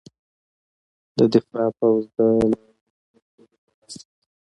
د دفاع پوځ د لارۍ موټر کلیو ته واستول.